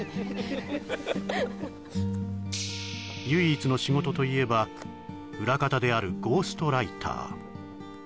唯一の仕事といえば裏方であるゴーストライター